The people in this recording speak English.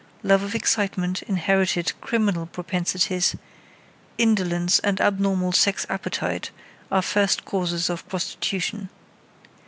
Love of excitement, inherited criminal propensities, indolence and abnormal sex appetite are first causes of prostitution.